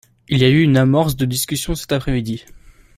Il y a eu une amorce de discussion cet après-midi.